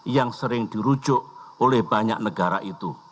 yang sering dirujuk oleh banyak negara itu